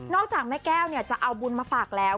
นอกจากแม่แก้วเนี่ยจะเอาบุญมาฝากแล้ว